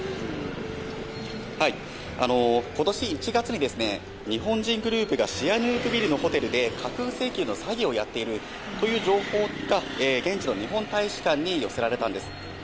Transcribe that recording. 今年１月に日本人グループがシアヌークビルのホテルで架空請求の詐欺をやっているという情報が現地の日本大使館に寄せられたんです。